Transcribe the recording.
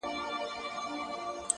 ه کټ مټ لکه ستا غزله-